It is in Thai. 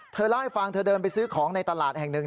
เธอเล่าให้ฟังเธอเดินไปซื้อของในตลาดแห่งหนึ่ง